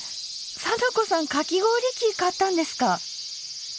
貞子さんかき氷器買ったんですか？